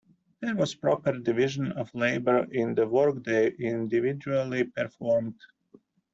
There was proper division of labor in the work they individually performed.